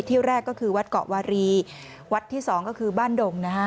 ที่แรกก็คือวัดเกาะวารีวัดที่สองก็คือบ้านดงนะฮะ